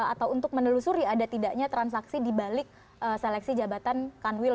atau untuk menelusuri ada tidaknya transaksi dibalik seleksi jabatan kanwil